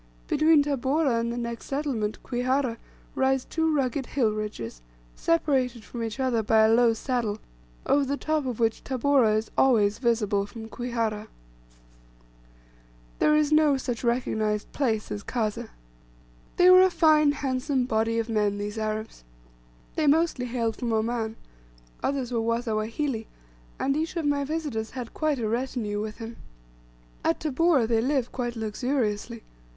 Between Tabora and the next settlement, Kwihara, rise two rugged hill ridges, separated from each other by a low saddle, over the top of which Tabora is always visible from Kwihara. ________________* There is no such recognised place as Kazeh. ________________ They were a fine, handsome body of men, these Arabs. They mostly hailed from Oman: others were Wasawahili; and each of my visitors had quite a retinue with him. At Tabora they live quite luxuriously.